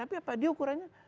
tapi apa dia ukurannya